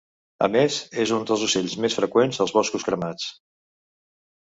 A més, és un dels ocells més freqüents als boscos cremats.